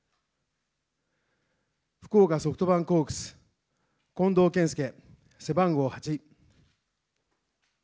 福岡ソフトバンクホークス、近藤健介、背番号８。